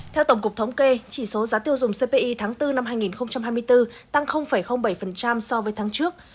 theo tổng cục thống kê chỉ số giá tiêu dùng cpi tháng bốn năm hai nghìn hai mươi bốn tăng bảy so với tháng trước